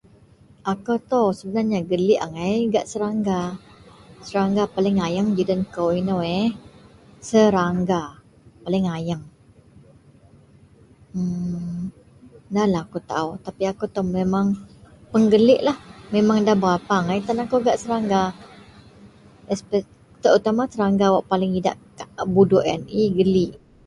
Ako ito sebenarnya geliek angai gak serangga, serangga paling ayeng giden kou ino yeh, serangga paling ayeng, mmm ndalah akou tao, tapi ako ito memeng pegelieklah memeng nda berapa angai gak serangga, esp, terutama serangga wak paling idak budok, hi geliek.